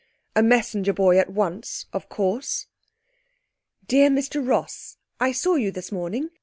A messenger boy at once, of course. 'Dear Mr Ross, I saw you this morning.